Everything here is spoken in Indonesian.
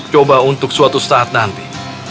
coba untuk suatu saat nanti